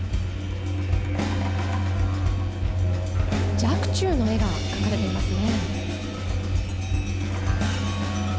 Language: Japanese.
若冲の絵が描かれていますね。